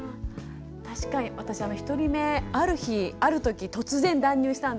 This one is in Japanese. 確かに私１人目ある日あるとき突然断乳したんですね。